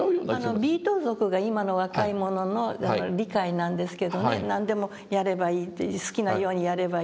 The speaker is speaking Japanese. あのビート族が今の若い者の理解なんですけどね何でもやればいいって好きなようにやればいいっていう。